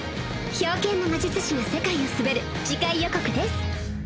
「冰剣の魔術師が世界を統べる」次回予告です